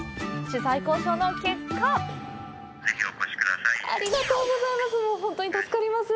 取材交渉の結果ありがとうございます！